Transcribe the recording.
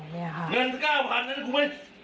เงิน๑๙๐๐๐นั้นกูไม่ติดใจแล้ว